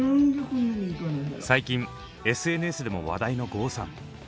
最近ＳＮＳでも話題の郷さん。